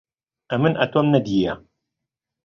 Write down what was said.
ئەمن ئەتۆم نەدییە